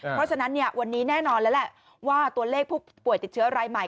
เพราะฉะนั้นวันนี้แน่นอนแล้วแหละว่าตัวเลขผู้ป่วยติดเชื้อรายใหม่